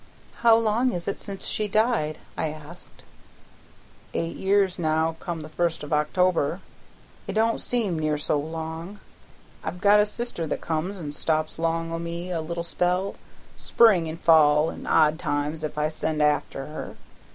"How long is it since she died?" I asked. "Eight year now, come the first of October. It don't seem near so long. I've got a sister that comes and stops 'long o' me a little spell, spring an' fall, an' odd times if I send after her.